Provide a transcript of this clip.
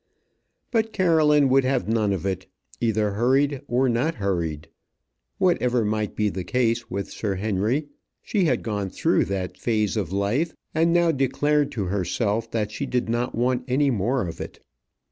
But Caroline would have none of it, either hurried or not hurried. Whatever might be the case with Sir Henry, she had gone through that phase of life, and now declared to herself that she did not want any more of it.